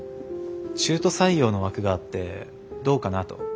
中途採用の枠があってどうかなと。